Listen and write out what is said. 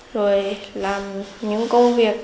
rồi làm những công việc